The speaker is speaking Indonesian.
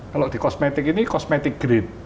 kalau di kosmetik ini kosmetik grid